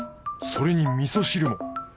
それにみそ汁も。